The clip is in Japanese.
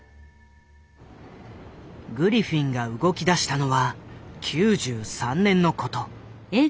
グリフィンが動きだしたのは９３年のこと。